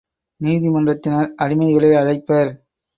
நீதிமன்றத்தினர் அடிமைகளை அழைப்பர்.